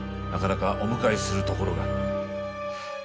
なかなかお迎えするところが。